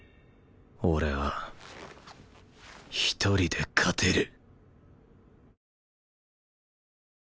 俺は１人で勝てる